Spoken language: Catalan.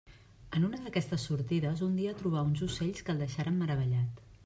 En una d'aquestes sortides un dia trobà uns ocells que el deixaren meravellat.